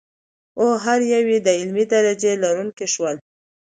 او هر یو یې د علمي درجې لرونکي شول.